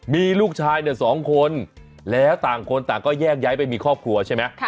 มีลูกชายเนี่ย๒คนแล้วต่างคนต่างก็แยกย้ายไปมีครอบครัวใช่ไหม